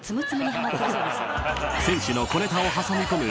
［選手の］